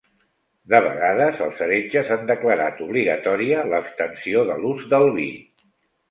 De vegades, els heretges han declarat obligatòria l'abstenció de l'ús del vi.